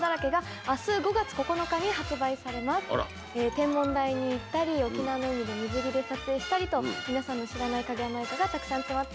天文台に行ったり沖縄の海で水着で撮影したりと皆さんの知らない影山優佳がたくさん詰まっています。